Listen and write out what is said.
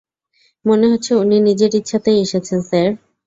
মনে হচ্ছে উনি নিজের ইচ্ছাতেই এসেছেন, স্যার।